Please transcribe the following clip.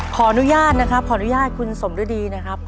ขออนุญาตนะครับขออนุญาตคุณสมฤดีนะครับ